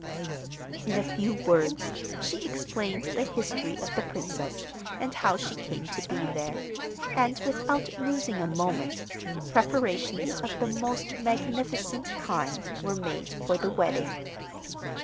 In a few words she explained the history of the princess, and how she came to be there, and, without losing a moment, preparations of the most magnificent kind were made for the wedding.